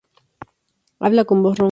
Habla con voz ronca.